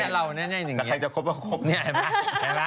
เสร็จแล้านางก็ไปเข้าร้านที่จอดลดให้พ่อเลยนะ